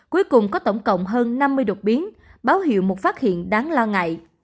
cuối cùng có tổng cộng hơn năm mươi đột biến báo hiệu một phát hiện đáng lo ngại